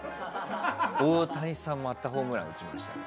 大谷さんがまたホームラン打ちましたね。